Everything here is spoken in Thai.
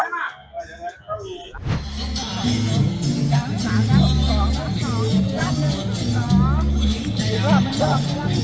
วันเท่าไหร่